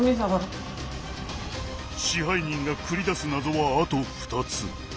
支配人が繰り出す謎はあと２つ。